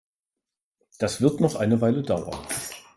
Das wird noch eine Weile dauern.